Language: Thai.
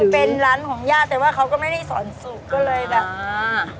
เป็นร้านของย่าแต่ว่าเขาก็ไม่ได้สอนสูตรก็เลยแบบ